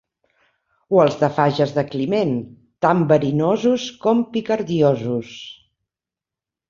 O els de Fages de Climent, tan verinosos com picardiosos.